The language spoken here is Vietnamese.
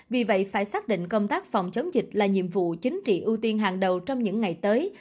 vì vậy phải xác định công tác phòng chống dịch là nhiệm vụ chính trị ưu tiên hàng đầu trong những ngày tới